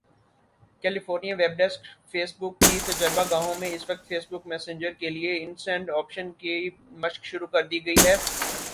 California web desk Facebook کی تجربہ گاہوں میں اس وقت فیس بک میسنجر کے لیے ان سینڈ آپشن کی مشق شروع کردی گئی ہے